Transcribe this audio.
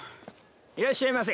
いらっしゃいませ。